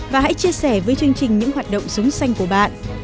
và hãy chia sẻ với chương trình những hoạt động sống xanh của bạn